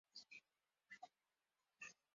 This was longer than any other Secretary had served.